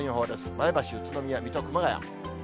前橋、宇都宮、水戸、熊谷。